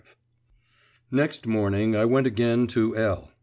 V Next morning I went again to L